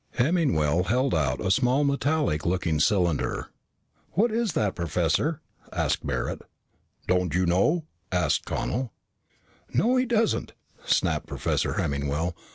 Hemmingwell held out a small metallic looking cylinder. "What is that, Professor?" asked Barret. "Don't you know?" asked Connel. "No, he doesn't," snapped Professor Hemmingwell.